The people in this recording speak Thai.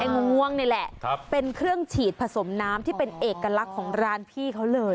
งวงนี่แหละเป็นเครื่องฉีดผสมน้ำที่เป็นเอกลักษณ์ของร้านพี่เขาเลย